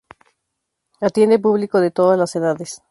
Atiende público de todas las edades.